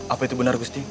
apa itu benar gusti